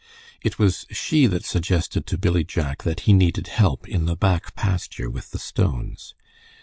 It was she that suggested to Billy Jack that he needed help in the back pasture with the stones.